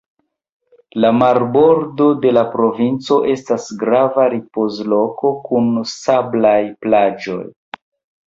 La marbordo en la provinco estas grava ripozloko kun sablaj plaĝoj.